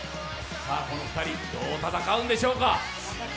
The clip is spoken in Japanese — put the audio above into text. この２人、どう戦うんでしょうか。